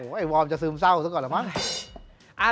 โอ้โฮไอ้วอร์มจะซื้อมเศร้าสักก่อนเหรอมั้ง